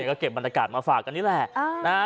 ก็เก็บบรรยากาศมาฝากกันนี่แหละนะฮะ